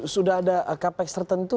sudah ada kapas tertentu